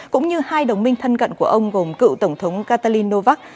cũng như hai đồng minh thân cận của ông gồm cựu tổng thống katalin novak